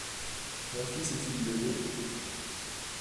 Mon fils est-il levé ?